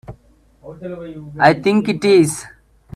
I think it is.